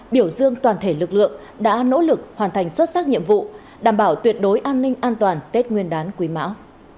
biểu dương toàn thể lực lượng đã nỗ lực hoàn thành xuất sắc nhiệm vụ đảm bảo tuyệt đối an ninh an toàn tết nguyên đán quý mão